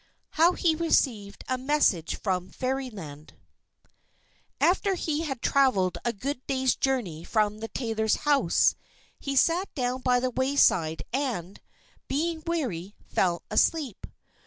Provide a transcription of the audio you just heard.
HOW HE RECEIVED A MESSAGE FROM FAIRYLAND After he had travelled a good day's journey from the tailor's house, he sat down by the wayside and, being weary, fell asleep.